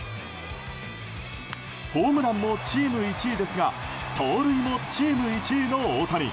ホームランもチーム１位ですが盗塁もチーム１位の大谷。